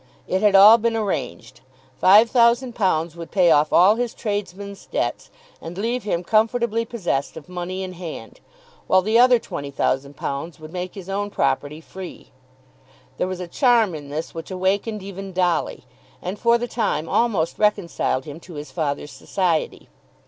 It had all been arranged. £5,000 would pay off all his tradesmen's debts and leave him comfortably possessed of money in hand, while the other £20,000 would make his own property free. There was a charm in this which awakened even Dolly, and for the time almost reconciled him to his father's society.